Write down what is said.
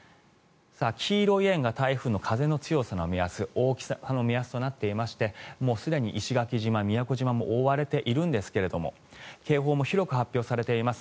黄色い円が台風の風の強さの目安大きさの目安となっていましてすでに石垣島、宮古島も大荒れになっているんですが警報も広く発表されています。